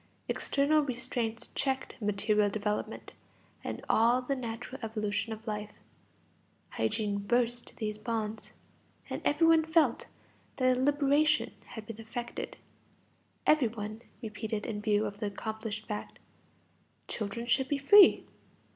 External restraints checked material development and all the natural evolution of life; hygiene burst these bonds. And every one felt that a liberation had been effected; every one repeated in view of the accomplished fact: children should be free.